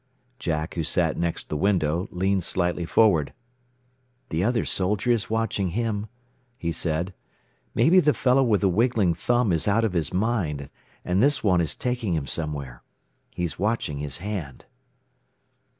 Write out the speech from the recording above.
Jack, who sat next the window, leaned slightly forward. "The other soldier is watching him," he said. "Maybe the fellow with the wiggling thumb is out of his mind, and this one is taking him somewhere. He is watching his hand."